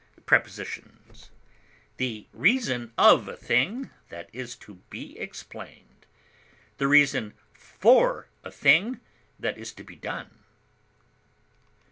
Prepositions: The reason of a thing that is to be explained; the reason for a thing that is to be done.